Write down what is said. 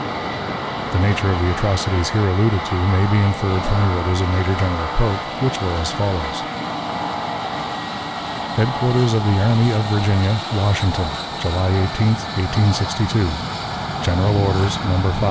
The nature of the atrocities here alluded to may be inferred from the orders of Major General Pope, which were as follows: "HEADQUARTERS OF THE ARMY OF VIRGINIA, WASHINGTON, July 18, 1862. "(GENERAL ORDERS, No 5.)